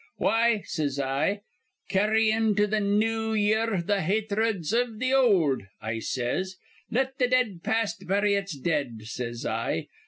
'Why,' says I, 'carry into th' new year th' hathreds iv th' old?' I says. 'Let th' dead past bury its dead,' says I.